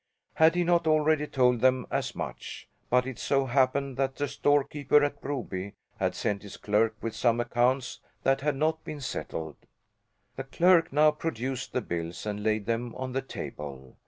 Had he not already told them as much? But it so happened that the storekeeper at Broby had sent his clerk with some accounts that had not been settled. The clerk now produced the bills and laid them on the table.